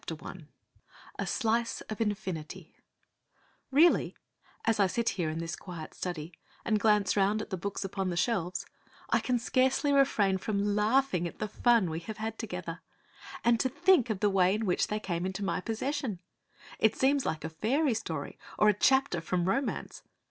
PART I I A SLICE OF INFINITY I Really, as I sit here in this quiet study, and glance round at the books upon the shelves, I can scarcely refrain from laughing at the fun we have had together. And to think of the way in which they came into my possession! It seems like a fairy story or a chapter from romance.